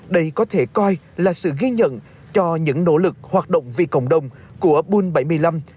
đây có thể coi là sự ghi nhận cho những nỗ lực hoạt động vì cộng đồng của bun bảy mươi năm